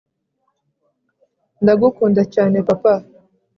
ndagukunda cyane, papa.